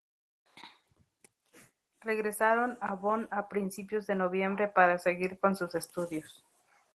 Regresaron a Bonn a principios de noviembre para seguir con sus estudios.